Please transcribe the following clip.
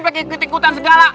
pak ustadz ikutan segala